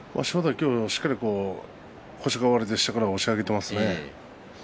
今日はしっかり腰が割れて下から押し上げていますね。